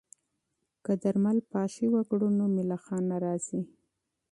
که درمل پاشي وکړو نو ملخان نه راځي.